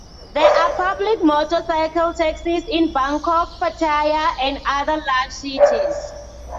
There are public motorcycle taxis in Bangkok, Pattaya, and other large cities.